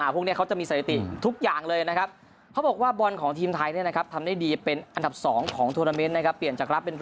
พวกนี้เขาจะมีสถิติทุกอย่างเลยนะครับ